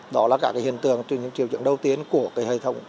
đó là cả hiện tượng những triều trường đầu tiên của hệ thống